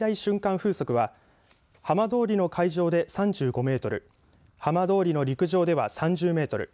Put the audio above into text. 風速は浜通りの海上で３５メートル浜通りの陸上では３０メートル